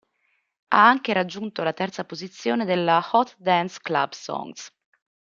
Ha anche raggiunto la terza posizione della "Hot Dance Club Songs".